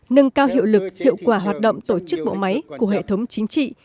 nâng cao hiệu lực hiệu quả hoạt động tổ chức bộ máy của hệ thống chính trị